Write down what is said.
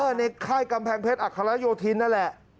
ในค่ายกำแพงเพชรอัครโยธินนั่นแหละ